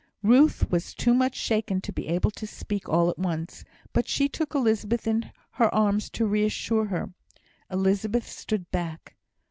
Ruth was too much shaken to be able to speak all at once; but she took Elizabeth in her arms to reassure her. Elizabeth stood back.